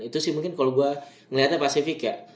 itu sih mungkin kalau gue ngeliatnya pasifik ya